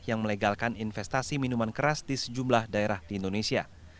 yang melegalkan investasi minuman keras di sejumlah daerah di indonesia